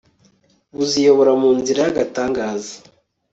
buziyobora mu nzira y'agatangaza